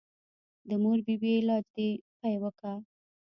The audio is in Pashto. د مور بي بي علاج دې پې وکه.